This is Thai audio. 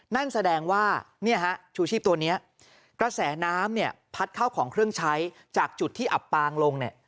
นั่นแสดงว่าชูชีพตัวนี้กระแสน้ำพัดเข้าของเครื่องใช้จากจุดที่อับปางลง